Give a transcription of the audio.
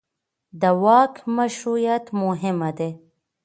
د واک مشروعیت مهم دی